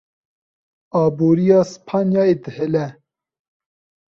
Aboriya Spanyayê dihile.